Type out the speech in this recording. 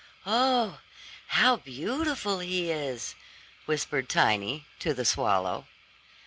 "Oh, how beautiful he is!" whispered Tiny to the swallow.